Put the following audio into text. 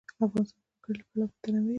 افغانستان د وګړي له پلوه متنوع دی.